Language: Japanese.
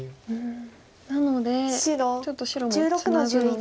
なのでちょっと白もツナぐのは。